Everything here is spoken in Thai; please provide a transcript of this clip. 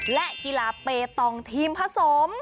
และกีฬาเปตองทีมผสม